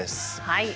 はい。